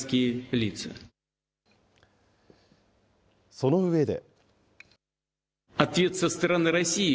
その上で。